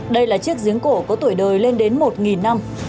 đây là chiếc giếng cổ có tuổi đời lên đến một năm